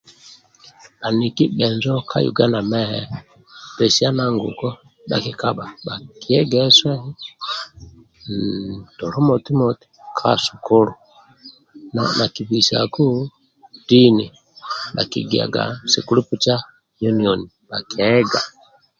Bhaniki bhenjo ka Uganda mehe pesiana nguko akikabha bhakiegese tolo moti moti ka sukulu na bhakibisaku dini bhakigiagaku scripture union bhakiega.